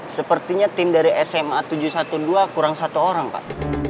sepertinya tim dari sma tujuh ratus dua belas kurang satu orang pak